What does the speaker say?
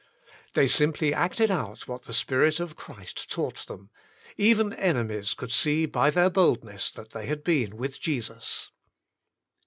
They simply acted out what the spirit of Christ taught them; even enemies could see by their boldness that they had been with Jesus.